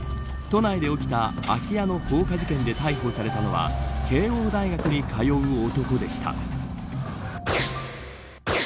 都内で起きた、空き家の放火事件で逮捕されたのは慶応大学に通う男でした。